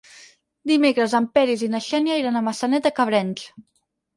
Dimecres en Peris i na Xènia iran a Maçanet de Cabrenys.